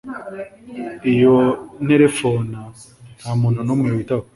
Iyo nterefona ntamuntu numwe witaba